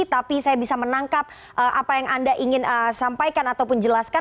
tapi saya bisa menangkap apa yang anda ingin sampaikan ataupun jelaskan